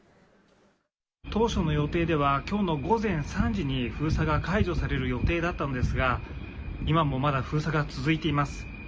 当初の予定では、きょうの午前３時に、封鎖が解除される予定だったのですが、今もまだ封鎖が続いています。